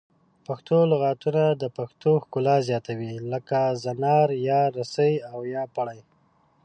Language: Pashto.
پښتو لغتونه د پښتو ښکلا زیاتوي لکه زنار یا رسۍ او یا پړی